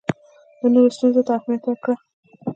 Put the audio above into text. د نورو ستونزو ته اهمیت ورکړه.